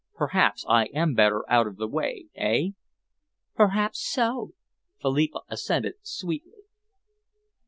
"Perhaps I am better out of the way, eh?" "Perhaps so," Philippa assented sweetly.